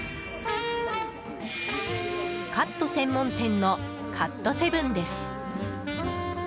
カット専門店のカットセブンです。